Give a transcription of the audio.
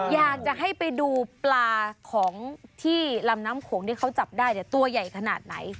อยากจะให้ไปดูปลาของที่ลำน้ำโขงที่เขาจับได้ตัวใหญ่ขนาดไหน